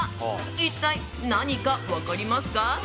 一体何か分かりますか？